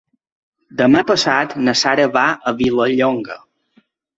Demà passat na Sara va a Vilallonga.